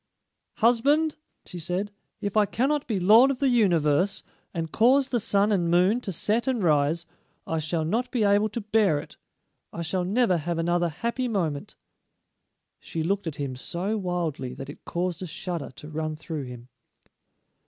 "Husband," she said, "if I cannot be lord of the universe, and cause the sun and moon to set and rise, I shall not be able to bear it. I shall never have another happy moment." She looked at him so wildly that it caused a shudder to run through him.